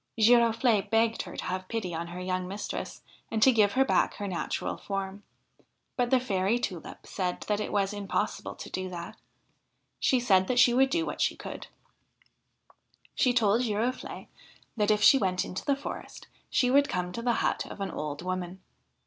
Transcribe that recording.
Girofle'e begged her to have pity on her young mistress, and to give her back her natural form, but the Fairy Tulip said that it was impossible to do that. She said that she would do what she could. 55 THE HIND OF THE WOOD She told Girofle'e that if she went into the forest, she would come to the hut of an old woman.